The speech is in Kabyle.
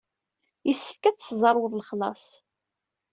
Yessefk ad teszerwred lexlaṣ.